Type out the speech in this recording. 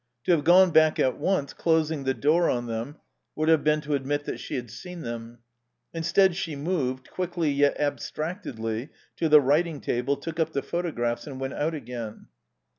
To have gone back at once, closing the door on them, would have been to admit that she had seen them. Instead she moved, quickly yet abstractedly, to the writing table, took up the photographs and went out again.